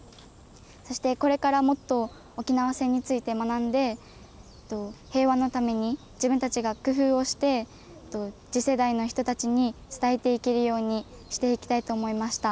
そしてこれからもっと沖縄戦について学んで、平和のために自分たちが工夫をして、次世代の人たちに伝えていけるようにしていきたいと思いました。